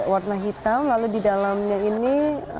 warna hitam lalu di dalamnya ini